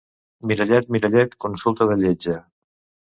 Mirallet, mirallet, consulta de lletja.